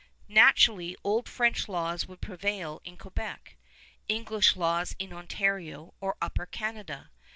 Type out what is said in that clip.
Naturally old French laws would prevail in Quebec, English laws in Ontario or Upper Canada.